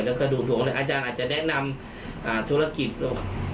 แล้วก็ดูดวงอาจารย์อาจจะแนะนำธุรกิจหรอก